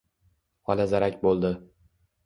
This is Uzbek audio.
Olazarak bo‘ldi.